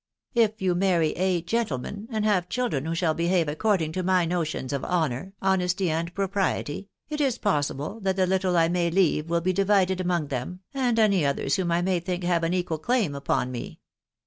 If you "marry a gentleman, and have children who shall behave according to my notions of honour, honesty, and propriety, it is possible that the little I may leave will be di vided among them, and any others whom I may think have an equal claim upon me.